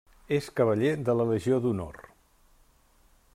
És Cavaller de la Legió d'Honor.